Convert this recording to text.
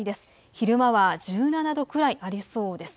昼間は１７度くらいありそうです。